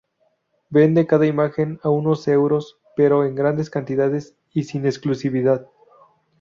Venden cada imagen a unos euros, pero en grandes cantidades y sin exclusividad.